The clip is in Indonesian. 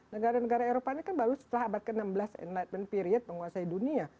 negara negara eropa ini kan baru setelah abad ke enam belas enlightenment period menguasai dunia